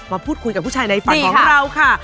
มาพูดคุยกับผู้ชายในฝันของเราค่ะ